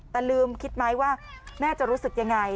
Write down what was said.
แต่ลืมคิดไหมว่าแม่จะรู้สึกยังไง